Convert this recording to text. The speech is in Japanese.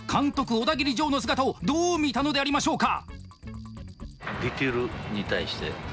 オダギリジョーの姿をどう見たのでありましょうか？